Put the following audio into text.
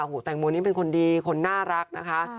โอ้โหแตงโมนี่เป็นคนดีคนน่ารักนะคะ